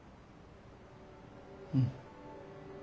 うん。